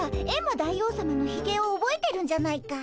大王さまのひげをおぼえてるんじゃないかい？